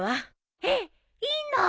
えっ！？いいの？